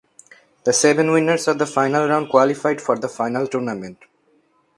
The seven winners of the final round qualified for the final tournament.